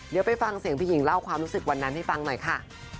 เดี๋ยวไปฟังเสียงพี่หญิงเล่าความรู้สึกวันนั้นให้ฟังหน่อยค่ะ